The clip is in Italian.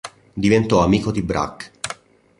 Diventò amico di Braque.